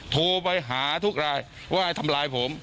โทรไปหาทุกรายว่าให้ทำร้ายผม